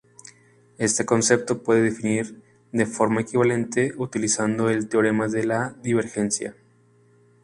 Este concepto se puede definir de forma equivalente utilizando el teorema de la divergencia.